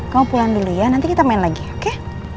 kamu pulang dulu ya nanti kita main lagi oke